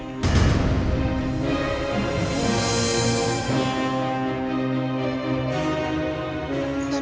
ga ada patung